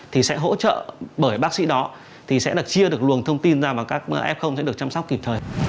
thì sẽ hỗ trợ bởi bác sĩ đó thì sẽ là chia được luồng thông tin ra vào các f sẽ được chăm sóc kịp thời